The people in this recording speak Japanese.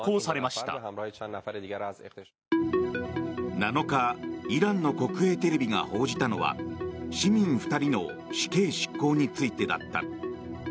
７日イランの国営テレビが報じたのは市民２人の死刑執行についてだった。